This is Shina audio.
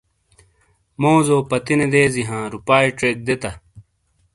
موزو پتِینے دیزی ہاں روپاۓ ژیک دیتا